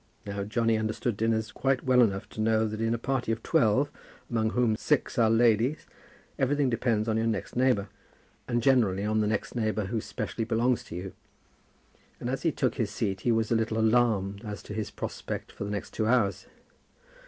Now Johnny understood dinners quite well enough to know that in a party of twelve, among whom six are ladies, everything depends on your next neighbour, and generally on the next neighbour who specially belongs to you; and as he took his seat he was a little alarmed as to his prospect for the next two hours.